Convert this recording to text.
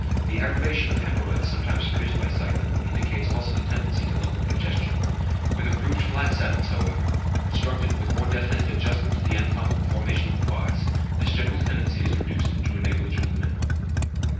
The aggravation of hæmorrhoids sometimes produced by cycling indicates also the tendency to local congestion. With the improved flat saddles, however, constructed with more definite adjustment to the anatomical formation of the parts, this general tendency is reduced to a negligible minimum.